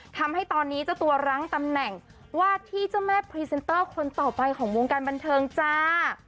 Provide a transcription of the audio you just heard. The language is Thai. ทำให้ตอนนี้เจ้าตัวรั้งตำแหน่งวาดที่เจ้าแม่พรีเซนเตอร์คนต่อไปของวงการบันเทิงจ้า